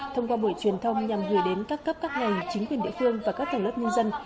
thông qua buổi truyền thông nhằm gửi đến các cấp các ngành chính quyền địa phương và các tầng lớp nhân dân